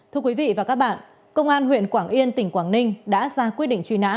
thưa quý vị và các bạn công an huyện quảng yên tỉnh quảng ninh đã ra quyết định truy nã